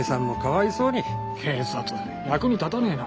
警察役に立たねえな。